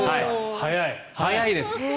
速いです。